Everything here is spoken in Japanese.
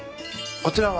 こちらは？